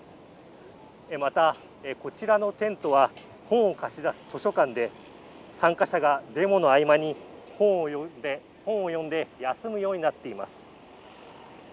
また、こちらのテントは本を貸し出す図書館で参加者がデモの合間に本を読んで休むようになっています。